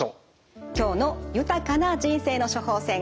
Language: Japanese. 今日の「豊かな人生の処方せん」